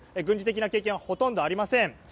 軍事的な経験はほとんどありません。